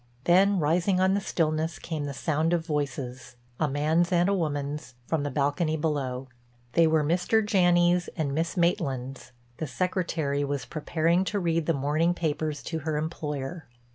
Then rising on the stillness came the sound of voices—a man's and a woman's—from the balcony below. They were Mr. Janney's and Miss Maitland's—the secretary was preparing to read the morning papers to her employer.